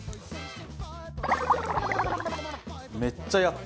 めっちゃやった。